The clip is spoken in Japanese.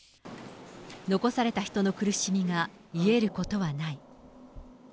残された人の苦しみが癒えることはない。